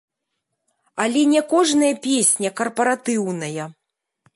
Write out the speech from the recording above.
Але не кожная песня карпаратыўная.